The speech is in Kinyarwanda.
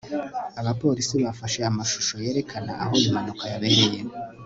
abapolisi bafashe amashusho yerekana aho impanuka yabereye